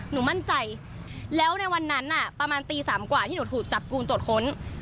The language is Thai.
หนูมั่นใจแล้วในวันนั้นประมาณตี๓กว่าที่หนูถูกจับกูลตรวจค้น